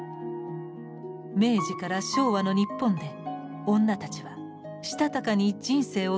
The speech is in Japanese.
明治から昭和の日本で女たちはしたたかに人生を切り開いていきます。